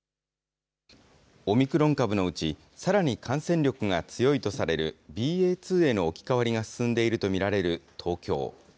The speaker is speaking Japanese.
オミクロン株のうち、さらに感染力が強いとされるＢＡ．２への置き換わりが進んでいると見られる東京。